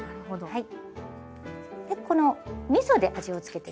はい。